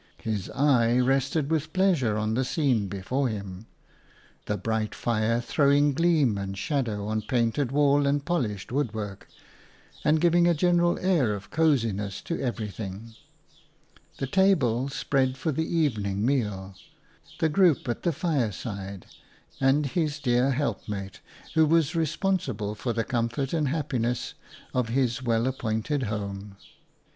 His eye rested with pleasure on the scene before him — the bright fire, throwing gleam and PLACE AND PEOPLE 3 shadow on painted wall and polished wood work, and giving a general air of cosiness to everything ; the table spread for the evening meal ; the group at the fireside ; and his dear helpmate who was responsible for the comfort and happiness of his well appointed home.